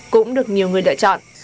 cũng được nhiều người lựa chọn